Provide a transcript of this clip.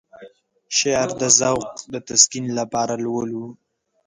شعر د ذوق د تسکين لپاره لولو.